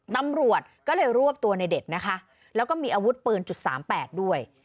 ตำรวจก็เลยรวบตัวในเด็ดนะคะแล้วก็มีอาวุธปืนจุดสามแปดด้วย